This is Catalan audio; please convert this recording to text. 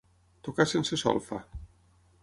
Tocar sense solfa.